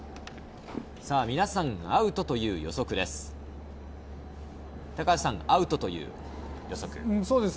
皆さんアウトという予測です。